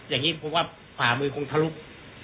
อย่างนี้เกี๊ยวว่าฝ่ามือคงทรุก